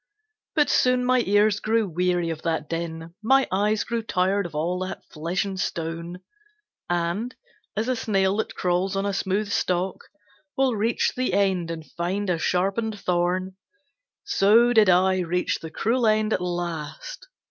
But soon my ears grew weary of that din, My eyes grew tired of all that flesh and stone; And, as a snail that crawls on a smooth stalk, Will reach the end and find a sharpened thorn So did I reach the cruel end at last.